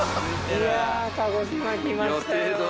いや鹿児島来ましたよ。